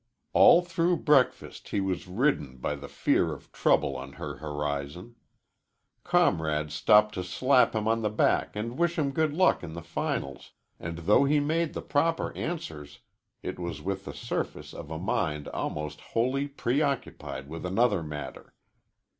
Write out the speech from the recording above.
All through breakfast he was ridden by the fear of trouble on her horizon. Comrades stopped to slap him on the back and wish him good luck in the finals, and though he made the proper answers it was with the surface of a mind almost wholly preoccupied with another matter.